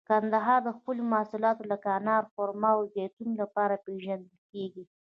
کندهار د خپلو محصولاتو لکه انار، خرما او زیتون لپاره پیژندل کیږي.